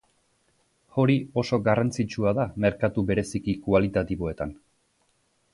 Hori oso garrantzitsua da merkatu bereziki kualitatiboetan.